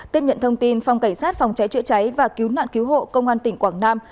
tiếp nhận thông tin phòng cảnh sát phòng cháy chữa cháy và cứu nạn cứu hộ công an tỉnh quảng nam